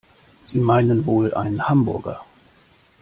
Sie meinen wohl einen Hamburger?